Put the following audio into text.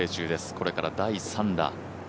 これから第３打。